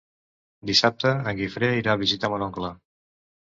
Dissabte en Guifré irà a visitar mon oncle.